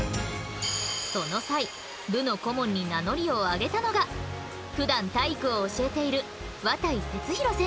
その際部の顧問に名乗りを上げたのがふだん体育を教えている渡井哲広先生。